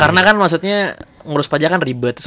karena kan maksudnya ngurus pajak kan ribet susah